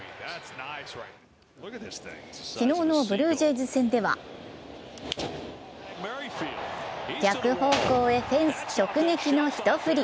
昨日のブルージェイズ戦では逆方向へフェンス直撃の一振り。